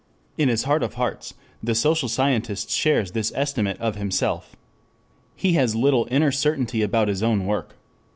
In his heart of hearts the social scientist shares this estimate of himself. He has little inner certainty about his own work.